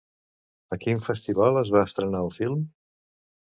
A quin festival es va estrenar el film?